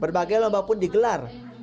berbagai lomba pun digelar